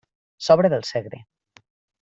Sobre del Segre.